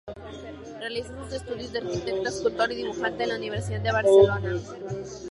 Realizó sus estudios de arquitecto, escultor y dibujante en la Universidad de Barcelona.